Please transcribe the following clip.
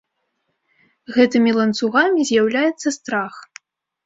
Гэтымі ланцугамі з'яўляецца страх.